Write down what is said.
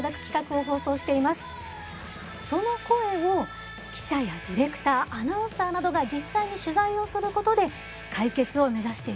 その声を記者やディレクターアナウンサーなどが実際に取材をすることで解決を目指しているんです。